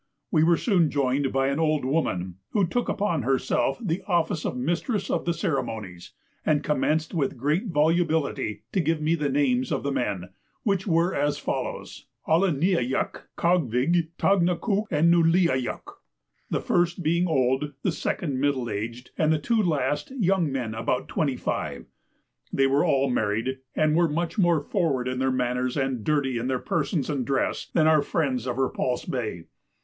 We were soon joined by an old woman who took upon herself the office of mistress of the ceremonies, and commenced with great volubility to give me the names of the men, which were as follows: A li ne a yuk, Kag vik, Tag na koo and Nu li a yuk; the first being old, the second middle aged, and the two last young men of about twenty five. They were all married, and were much more forward in their manners and dirty in their persons and dress, than our friends of Repulse Bay.